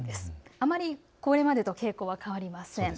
あまりこれまでと傾向は変わりません。